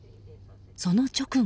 その直後。